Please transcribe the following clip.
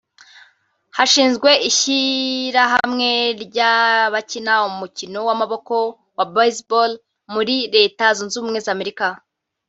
Hashinzwe ishyirahamwe ry’ abakina umukino w’amaboko wa Baseball muri Leta Zunze Ubumwe z’Amerika